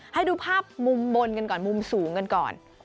ให้ดูภาพมุมบนกันก่อนมุมสูงกันก่อน